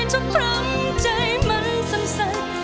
ทุกครั้งใจมันสำสัย